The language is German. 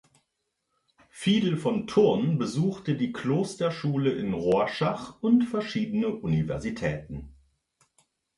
Fidel von Thurn besuchte die Klosterschule in Rorschach und verschiedene Universitäten.